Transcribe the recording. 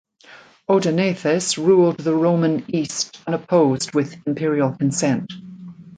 Odaenathus ruled the Roman East unopposed with imperial consent.